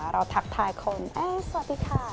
ทักทายคนสวัสดีค่ะ